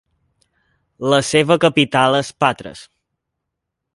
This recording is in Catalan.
La seva capital és Patres.